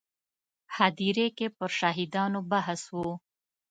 هدیرې کې پر شهیدانو بحث و.